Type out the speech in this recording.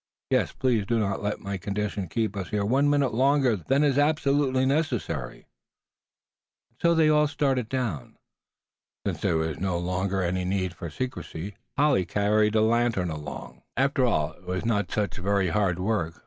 Yes, please do not let my condition keep us here one minute longer than is absolutely necessary." And so they all started down. Since there was no longer any need for secrecy, Polly carried the lantern along. After all, it was not such very hard work.